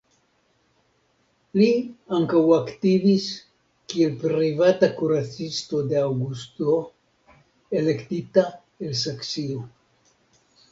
Li ankaŭ aktivis kiel privata kuracisto de Aŭgusto, elektisto el Saksio.